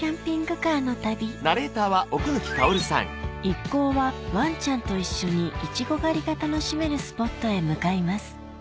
一行はワンちゃんと一緒にいちご狩りが楽しめるスポットへ向かいます